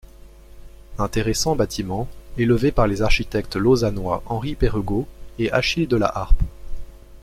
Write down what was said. Intéressant bâtiment élevé par les architectes lausannois Henri Perregaux et Achille de La Harpe.